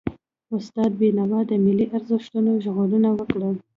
استاد بينوا د ملي ارزښتونو ژغورنه وکړه.